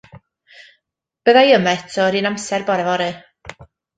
Bydda i yma eto yr un amser bore fory.